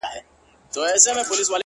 دا وايي دا توره بلا وړي څوك”